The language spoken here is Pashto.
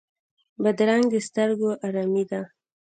بادرنګ د سترګو آرامي ده.